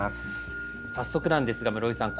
早速なんですが室井さん